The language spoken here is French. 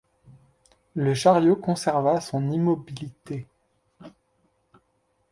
Le chariot conserva son immobilité.